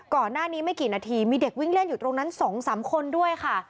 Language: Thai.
ก่อนหน้านี้ไม่กี่นาทีมีเด็กวิ่งเล่นอยู่ตรงนั้น๒๓คนด้วยค่ะ